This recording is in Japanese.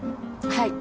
はい。